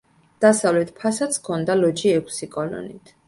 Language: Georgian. დასავლეთ ფასადს ჰქონდა ლოჯი ექვსი კოლონით.